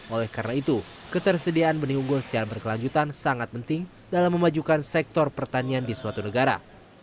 oleh karena itu ketersediaan benih unggul secara berkelanjutan sangat penting dalam memajukan sektor pertanian di suatu negara